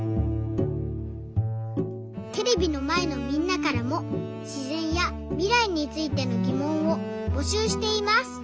テレビのまえのみんなからもしぜんやみらいについてのぎもんをぼしゅうしています。